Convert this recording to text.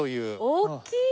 大きい！